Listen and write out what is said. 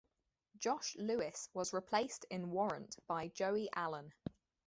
Josh Lewis was replaced in Warrant by Joey Allen.